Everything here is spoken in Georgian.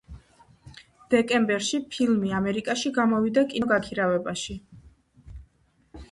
დეკემბერში ფილმი ამერიკაში გამოვიდა კინოგაქირავებაში.